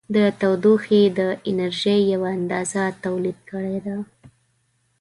د تودوخې د انرژي یوه اندازه تولید کړې ده.